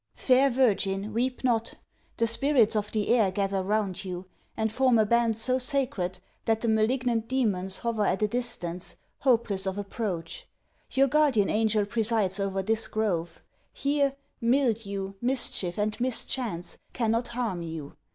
'Fair virgin, weep not! The spirits of the air gather round you; and form a band so sacred, that the malignant demons hover at a distance, hopeless of approach. Your guardian angel presides over this grove. Here, Mildew, Mischief, and Mischance, cannot harm you.